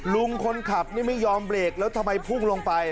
ลุงคนขับนี่ไม่ยอมเบรกแล้วทำไมพุ่งลงไป